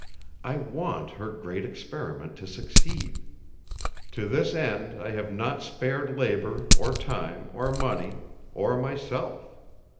I want her Great Experiment to succeed. To this end I have not spared labour or time or money—or myself.